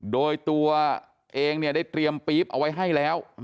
โดยตัวเองเนี่ยได้เตรียมปี๊บเอาไว้ให้แล้ว